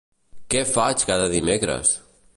Què faig cada dimecres?